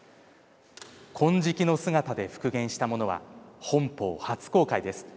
金色の姿で復元したものは本邦初公開です。